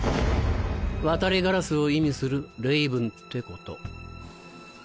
ワタリガラスを意味する「レイブン」ってこと。